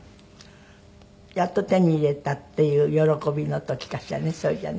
やっと手に入れたっていう喜びの時かしらねそれじゃあね。